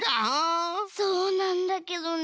そうなんだけどね。